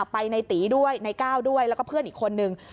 ไปในตีด้วยในก้าวด้วยแล้วก็เพื่อนอีกคนนึง